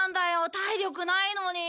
体力ないのに。